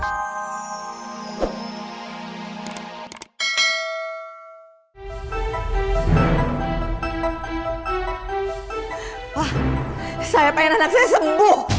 ah saya pengen anak saya sembuh